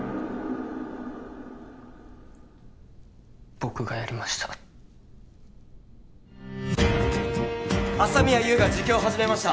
僕がやりました朝宮優が自供を始めました